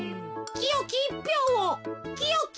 きよきいっぴょうを。